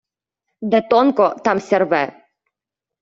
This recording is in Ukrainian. Де тонко, там ся рве.